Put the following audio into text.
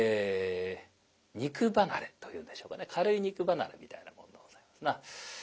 肉離れというんでしょうかね軽い肉離れみたいなもんでございますな。